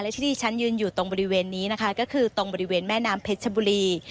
ที่ที่ฉันยืนอยู่ตรงบริเวณนี้นะคะก็คือตรงบริเวณแม่น้ำเพชรชบุรี